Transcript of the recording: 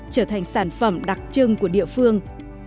trở thành sản phẩm đặc trưng của địa phương